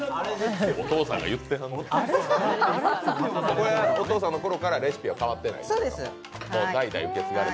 これはお父さんのころからレシピは変わってないんですか？